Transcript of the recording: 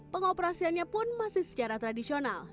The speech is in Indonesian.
pengoperasiannya pun masih secara tradisional